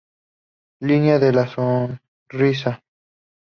Línea de la sonrisa.